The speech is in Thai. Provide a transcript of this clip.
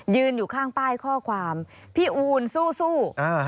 ยืนอยู่ข้างป้ายข้อความพี่อูนสู้